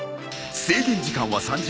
制限時間は３０分。